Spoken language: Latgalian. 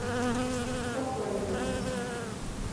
Pokoļnīks.